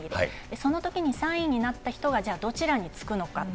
そのときに３位になった人がじゃあ、どちらにつくのかと。